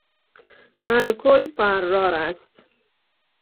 الکل فرار است.